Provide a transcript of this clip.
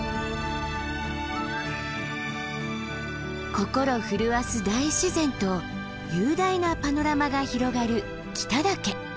心震わす大自然と雄大なパノラマが広がる北岳。